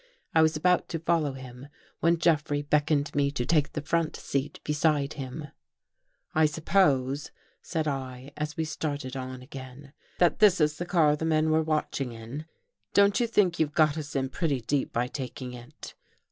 I was about to follow him when Jeffrey beckoned me to take the front seat beside himself. " I suppose," said I as we started on again, " that this is the car the men were watching in. Don't you think you've got us in pretty deep by taking it?"